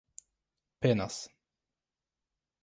penas